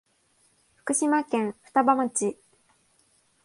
福島県双葉町